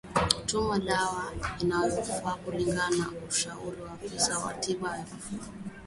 Tumia dawa inayofaa kulingana na ushauri wa afisa wa tiba ya mifugo